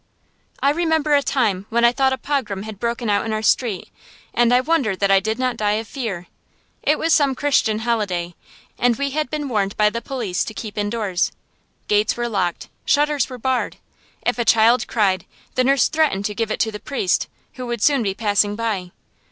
I remember a time when I thought a pogrom had broken out in our street, and I wonder that I did not die of fear. It was some Christian holiday, and we had been warned by the police to keep indoors. Gates were locked; shutters were barred. If a child cried, the nurse threatened to give it to the priest, who would soon be passing by.